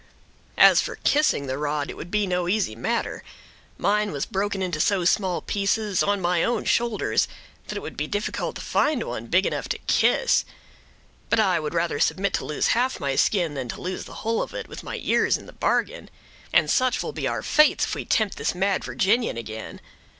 "As for kissing the rod, it would be no easy matter. Mine was broken into so small pieces, on my own shoulders, that it would be difficult to find one big enough to kiss; but I would rather submit to lose half my skin, than to lose the whole of it, with my ears in the bargain. And such will be our fates, if we tempt this mad Virginian again.